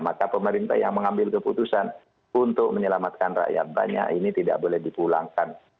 maka pemerintah yang mengambil keputusan untuk menyelamatkan rakyat banyak ini tidak boleh dipulangkan